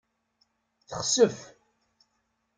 Texsef.